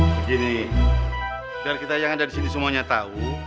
begini biar kita yang ada di sini semuanya tahu